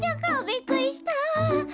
びっくりした。